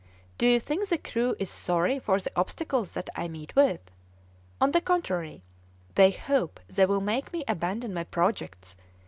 Do you think the crew is sorry for the obstacles that I meet with? On the contrary, they hope they will make me abandon my projects.